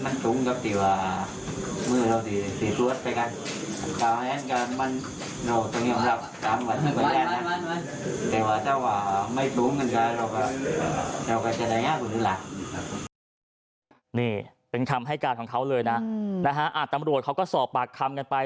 นี่เป็นคำให้การของเขาเลยนะตำรวจเขาก็สอบปากคำกันไป